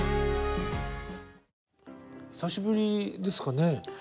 久しぶりですかね？